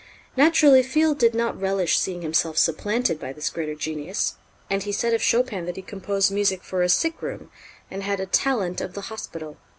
Naturally, Field did not relish seeing himself supplanted by this greater genius, and he said of Chopin that he composed music for a sick room, and had "a talent of the hospital."